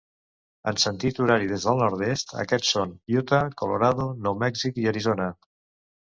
En sentit horari des del nord-oest, aquests són Utah, Colorado, Nou Mèxic i Arizona.